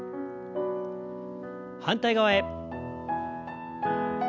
反対側へ。